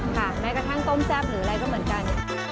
แม้กระทั่งต้มแซ่บหรืออะไรก็เหมือนกัน